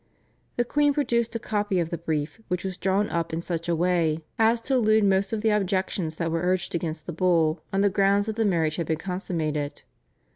The queen produced a copy of the brief, which was drawn up in such a way as to elude most of the objections that were urged against the Bull on the ground that the marriage had been consummated.